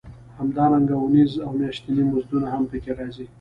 همدارنګه اونیز او میاشتني مزدونه هم پکې راځي